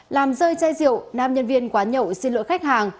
làm rơi chai rượu nam nhân viên quá nhậu xin lỗi khách hàng